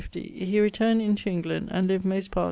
], he returned into England, and lived most part[CVIII.